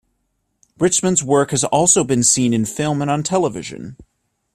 Richmond's work has also been seen in film and on television.